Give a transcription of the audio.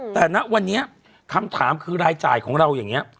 แต่ณวันนี้คำถามคือรายจ่ายของเราอย่างนี้